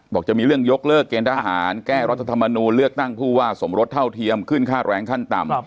จะมีเรื่องยกเลิกเกณฑหารแก้รัฐธรรมนูลเลือกตั้งผู้ว่าสมรสเท่าเทียมขึ้นค่าแรงขั้นต่ำ